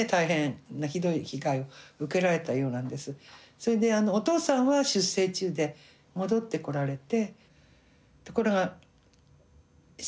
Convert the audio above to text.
それでお父さんは出征中で戻ってこられて。